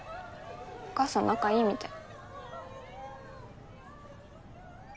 お母さん仲いいみたい。